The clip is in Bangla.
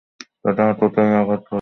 তাকে আততায়ী আঘাত করেছে।